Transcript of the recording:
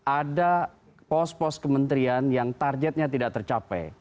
ada pos pos kementerian yang targetnya tidak tercapai